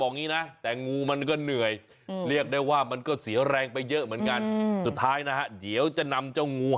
งูออกมาแล้วดู